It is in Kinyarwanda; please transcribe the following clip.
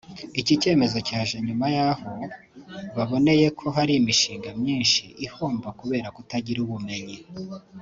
Iki cyemezo cyaje nyuma y’aho baboneye ko hari imishinga myinshi ihomba kubera kutagira ubumenyi